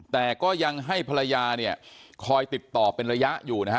แต่ก็ยังให้ภรรยาเนี่ยคอยติดต่อเป็นระยะอยู่นะฮะ